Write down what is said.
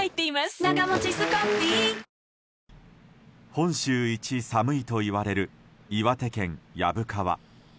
本州一寒いといわれる岩手県薮川。